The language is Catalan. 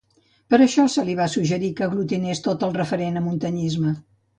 Per això se li va suggerir que aglutinés tot el referent a muntanyisme.